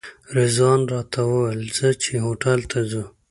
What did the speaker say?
رضوان راته وویل ځه چې هوټل ته ځو.